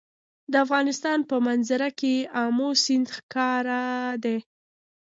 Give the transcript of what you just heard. د افغانستان په منظره کې آمو سیند ښکاره دی.